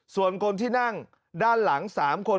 ส่วนคนที่นั่งด้านหลัง๓คน